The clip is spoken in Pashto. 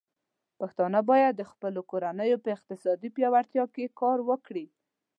پښتانه بايد د خپلو کورنيو په اقتصادي پياوړتيا کې کار وکړي.